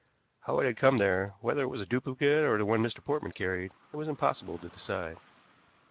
How it had come there, whether it was a duplicate or the one Mr. Portman carried, it was impossible to decide.